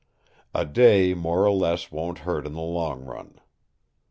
A day more or less won't hurt in the long run.